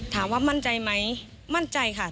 ถามว่ามั่นใจไหมมั่นใจค่ะ